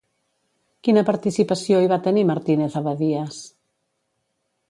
Quina participació hi va tenir Martínez-Abadías?